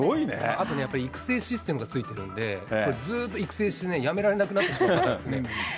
あとやっぱり、育成システムがついてるんで、ずっと育成してやめられなくなってしまいますね。